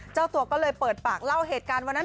เจ้าตัวก็เลยเปิดปากเล่าเหตุการณ์วันนั้น